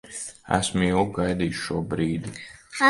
Esmu ilgi gaidījis šo brīdi.